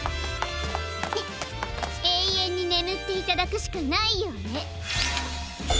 えいえんにねむっていただくしかないようね！